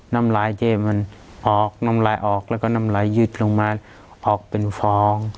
น้ำลายเจ๊มันออกน้ำลายออกแล้วก็น้ำลายยืดลงมาออกเป็นฟอง